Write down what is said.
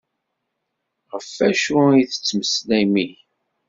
Ɣef acu i ad tettmeslayem ihi?